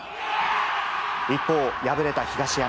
一方、敗れた東山。